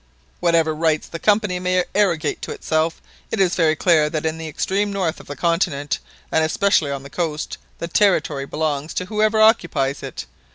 Whatever rights the Company may arrogate to itself, it is very clear that in the extreme north of the continent, and especially on the coast, the territory belongs to whoever occupies it.